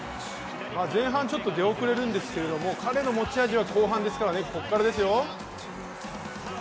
前半ちょっと出遅れるんですけれども彼の持ち味は後半ですからねここからですよ。